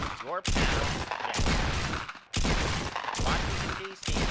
Your pal, JACK. Washington, D. C.